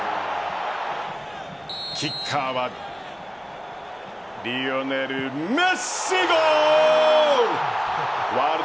キッカーはリオネル・メッシゴール！